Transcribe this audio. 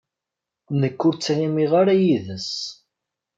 Nekk ur ttɣimiɣ ara yid-s.